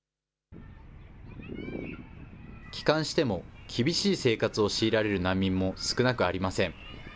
帰還しても、厳しい生活を強いられる難民も少なくありません。